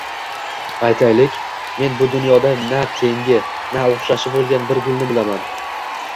Aytaylik, men bu dunyoda na tengi, na o‘xshashi bo‘lgan bir gulni bilaman